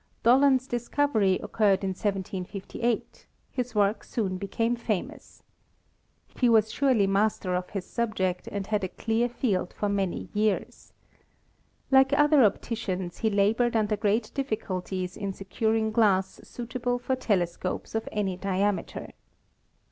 Dollond's discovery occurred in 1758; his work soon became famous. He was surely master of his subject and had a clear field for many years. Like other opticians, he labored under great difficulties in securing glass suitable for telescopes of any diameter.